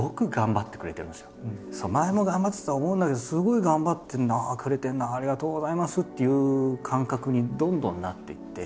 前も頑張ってたとは思うんだけどすごい頑張ってくれてるなありがとうございますっていう感覚にどんどんなっていって。